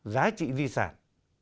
giá trị di sản